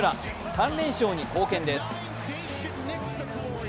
３連勝に貢献です。